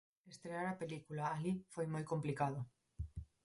Estrear a película alí foi moi complicado.